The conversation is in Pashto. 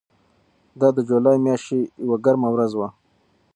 دا د جولای میاشتې یوه ګرمه ورځ وه.